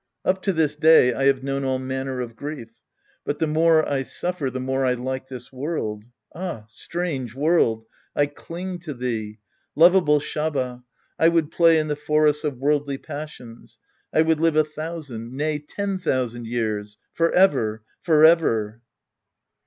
Up to this day, I have known all manner of grieL^ But the more I suffer, the more I like this world. Ah, strange world ! 1 cling to thee. Lovable Shaba ! I would play in the forests of worldly passions. I would live a thousand, nay, ten thousand years. Forever ! Forever